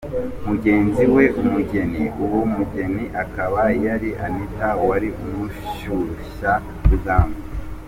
mugenzi we umugeni, uwo mugeni akaba yari Anitha wari umushyushya rugamba.